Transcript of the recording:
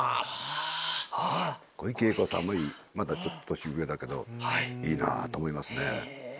小池栄子さんもいいちょっと年上だけどいいなと思いますね。